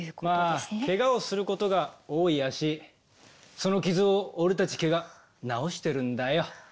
まあけがをすることが多い足その傷を俺たち毛が治してるんだよ。